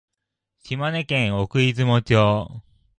島根県奥出雲町